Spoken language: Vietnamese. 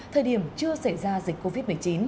thời điểm chưa xảy ra dịch covid một mươi chín